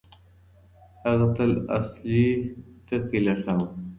هغه تل اصلي ټکی لټاوه.